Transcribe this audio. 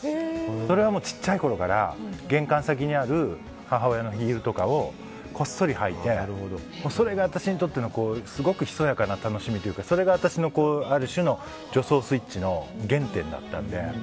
それは小さいころから玄関先にある母親のヒールとかをこっそり履いてそれが私にとってのすごく密やかな楽しみというかそれが私のある種の女装スイッチの原点だったので。